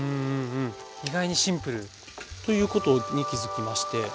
意外にシンプル。ということに気付きまして。